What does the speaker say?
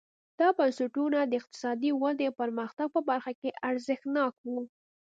دا بنسټونه د اقتصادي ودې او پرمختګ په برخه کې ارزښتناک وو.